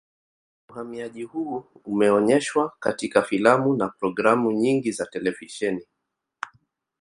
Uhamiaji huu umeonyeshwa katika filamu na programu nyingi za televisheni